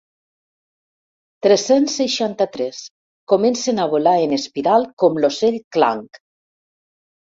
Tres-cents seixanta-tres comencen a volar en espiral com l'ocell Clang.